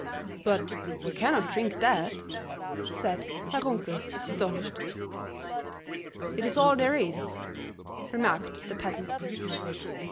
"But we cannot drink that," said Herr Runkel, astonished. "It is all there is," remarked the peasant.